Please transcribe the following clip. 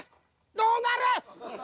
どうなる！？